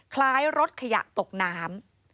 คล้ายรถขยะตกน้ำ